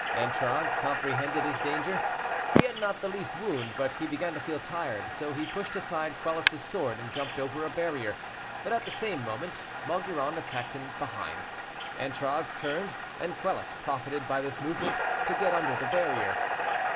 Antragues comprehended his danger; he had not the least wound, but he began to feel tired, so he pushed aside Quelus' sword and jumped over a barrier; but at the same moment, Maugiron attacked him behind; Antragues turned, and Quelus profited by this movement to get under the barrier.